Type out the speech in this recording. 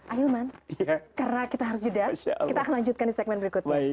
ahilman karena kita harus jeda kita akan lanjutkan di segmen berikutnya